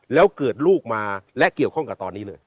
แล้วเกิดลูกมาและเกี่ยวข้องกับตอนนี้เลย